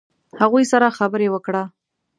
هغوی سره خبرې وکړه.